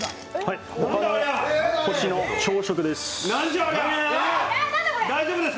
「他の星の朝食」です。